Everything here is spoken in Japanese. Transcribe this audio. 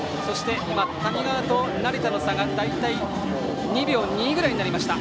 谷川と成田の差が２秒２くらいになりました。